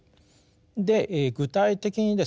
で具体的にですね